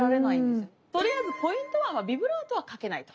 とりあえずポイントはビブラートはかけないと。